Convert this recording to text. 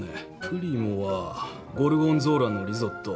プリモはゴルゴンゾーラのリゾット。